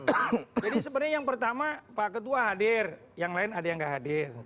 jadi sebenarnya yang pertama pak ketua hadir yang lain ada yang nggak hadir